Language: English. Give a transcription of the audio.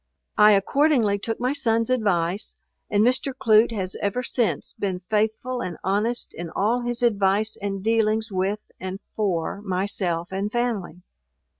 I accordingly took my son's advice, and Mr. Clute has ever since been faithful and honest in all his advice and dealings with, and for, myself and family.